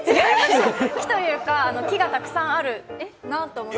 木というか木がたくさんあるなと思って。